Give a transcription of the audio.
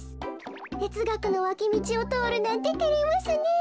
てつがくのわきみちをとおるなんててれますねえ。